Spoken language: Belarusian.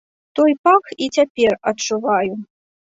Той пах і цяпер адчуваю.